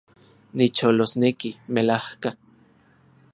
Nicholosneki, melajka